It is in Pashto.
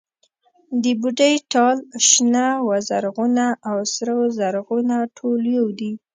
د بوډۍ ټال، شنه و زرغونه او سره و زرغونه ټول يو دي.